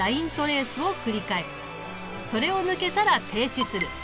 それを抜けたら停止する。